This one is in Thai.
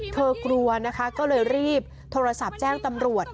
กลัวนะคะก็เลยรีบโทรศัพท์แจ้งตำรวจ